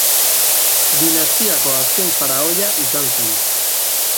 Dinastiako azken faraoia izan zen.